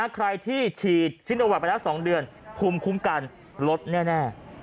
ใครที่ฉีดซิโนแวคไปแล้ว๒เดือนภูมิคุ้มกันลดแน่